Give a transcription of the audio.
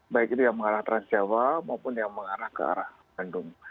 baik itu yang mengarah transjawa maupun yang mengarah ke arah bandung